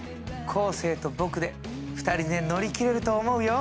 昴生と僕で２人で乗り切れると思うよ！